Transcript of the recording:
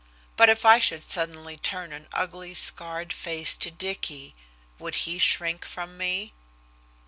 But if I should suddenly turn an ugly scarred face to Dicky would he shrink from me?